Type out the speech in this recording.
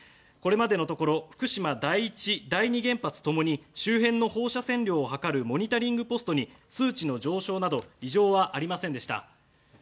これまでのところ福島第一、第二原発共に周辺の放射線量を図るモニタリングポストに数値の上昇など異常はありませんでした。